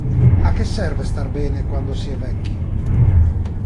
A che serve star bene quando si è vecchi?